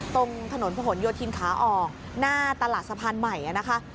ตรงถนนผนโยธินขาออกหน้าตลาดสะพานใหม่นะคะ